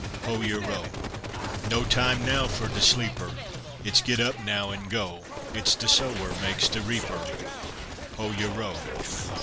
Hoe yo' row! No time now fer de sleeper; It's "Git up now, en go!" It's de sower makes de reaper; Hoe yo' row!